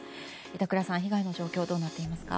板倉さん、被害の状況はどうなっていますか？